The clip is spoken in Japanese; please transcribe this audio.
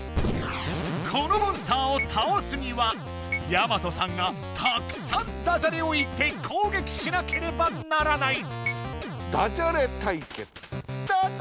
このモンスターをたおすにはやまとさんがたくさんダジャレを言って攻撃しなければならない。